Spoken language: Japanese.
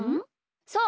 そう！